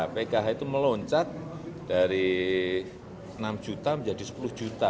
pkh itu meloncat dari enam juta menjadi sepuluh juta